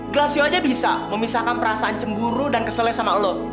gelasio aja bisa memisahkan perasaan cemburu dan kesel sama lo